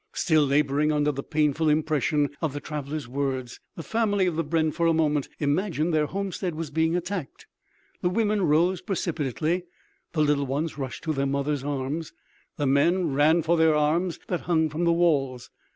Still laboring under the painful impression of the traveler's words, the family of the brenn for a moment imagined their homestead was being attacked. The women rose precipitately, the little ones rushed to their mothers' arms, the men ran for their arms that hung from the walls.